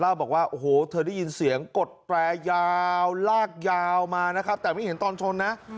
เล่าแบบว่านะครับแต่ไม่เห็นตอนชนนะ